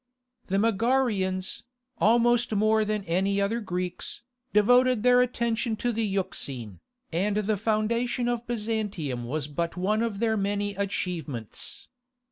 The Megarians, almost more than any other Greeks, devoted their attention to the Euxine, and the foundation of Byzantium was but one of their many achievements.